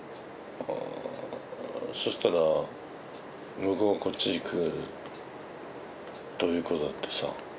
そしたら向こうがこっちに来るということだってさ。